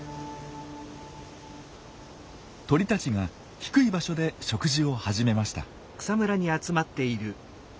鳥たちが低い場所で食事を始めました。